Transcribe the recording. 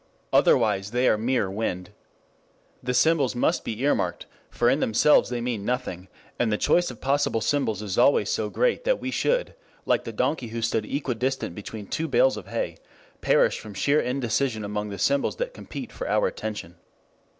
Otherwise they are mere wind. The symbols must be earmarked. For in themselves they mean nothing, and the choice of possible symbols is always so great that we should, like the donkey who stood equidistant between two bales of hay, perish from sheer indecision among the symbols that compete for our attention.